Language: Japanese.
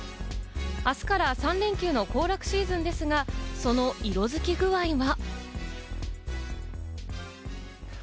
あすから３連休の行楽シーズンですが、その色づき具合が。